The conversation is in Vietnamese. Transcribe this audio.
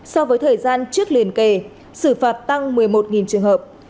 so với thời gian trước liên kề xử phạt tăng một mươi một trường hợp